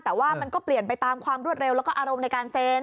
แต่ว่ามันก็เปลี่ยนไปตามความรวดเร็วแล้วก็อารมณ์ในการเซ็น